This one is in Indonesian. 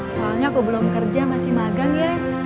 soalnya aku belum kerja masih magang ya